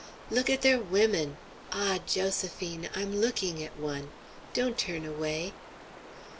"Look at their women! Ah, Josephine, I'm looking at one! Don't turn away.